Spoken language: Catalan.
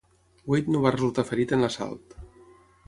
Wade no va resultar ferit en l'assalt.